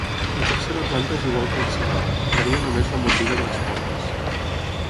La tercera planta és igual que la segona, varia només la motllura de les portes.